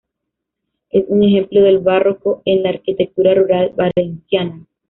Es un ejemplo del barroco en la arquitectura rural valenciana.